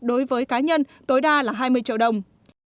đối với cá nhân tối đa là hai mươi triệu đồng